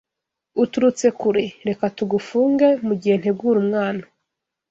uturutse kure! Reka tugufunge mugihe ntegura umwana